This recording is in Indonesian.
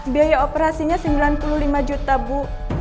biaya operasinya sembilan puluh lima juta bu